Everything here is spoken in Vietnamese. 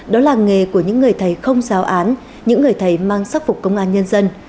đó là nghề của những người thầy không giáo án những người thầy mang sắc phục công an nhân dân